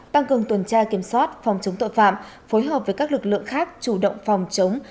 tăng cường tuần tra kiểm soát phòng chống tội phạm phối hợp với các lực lượng khác chủ động phòng chống